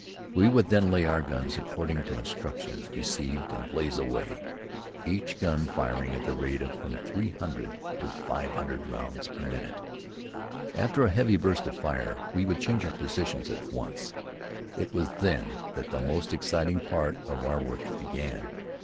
We would then lay our guns according to instructions received and blaze away, each gun firing at the rate of from three hundred to five hundred rounds per minute. After a heavy burst of fire, we would change our positions at once. It was then that the most exciting part of our work began.